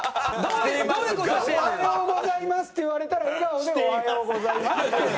「おはようございます」って言われたら笑顔で「おはようございます」って言ってるし。